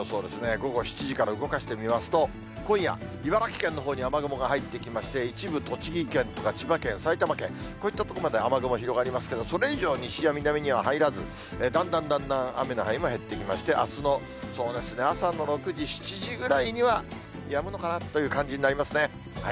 午後７時から動かしてみますと、今夜、茨城県のほうに雨雲が入ってきまして、一部、栃木県とか千葉県、埼玉県、こういった所まで雨雲、広がりますけど、それ以上、西や南には入らず、だんだんだんだん雨の範囲も減ってきまして、あすのそうですね、朝の６時、７時ぐらいにはやむのかなという感じになりますね。